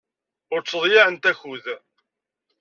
Ur ttḍeyyiɛent akud.